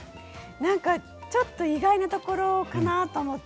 ちょっと意外なところかなと思って。